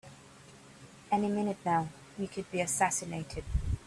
Any minute now we could be assassinated!